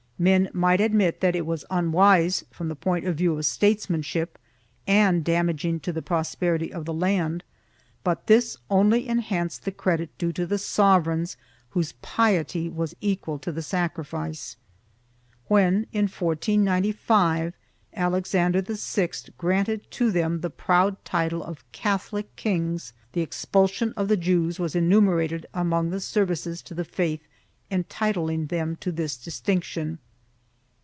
Men might admit that it was unwise from the point of view of statesmanship and damaging to the prosperity of the land, but this only enhanced the credit due to the sovereigns whose piety was equal to the sacrifice. When, in 1495, Alexander VI granted to them the proud title of Catholic Kings, the expulsion of the Jews was enumerated among the services to the faith entitling them to this distinction.